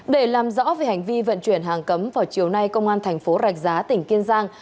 để làm rõ về hành vi vận chuyển hàng cấm vào chiều nay công an thành phố rạch giá tỉnh kiên giang